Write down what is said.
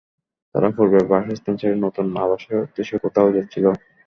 তারা পূর্বের বাসস্থান ছেড়ে নতুন আবাসের উদ্দেশে কোথাও যাচ্ছিল।